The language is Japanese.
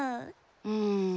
うん。